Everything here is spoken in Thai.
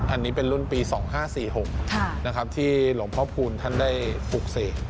อันนี้เป็นรุ่นปี๒๕๔๖ที่หลวงพกคูณท่านได้ปุกเสธ